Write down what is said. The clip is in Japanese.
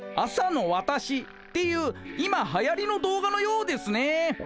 「朝のわたし」っていう今はやりの動画のようですね。